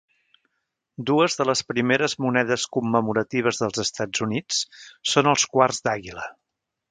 Dues de les primeres monedes commemoratives dels Estats Units són els quarts d'àguila.